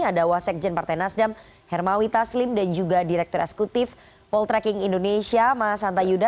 ada wasekjen partai nasdem hermawi taslim dan juga direktur eksekutif poltreking indonesia mas hanta yuda